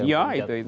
ya itu itu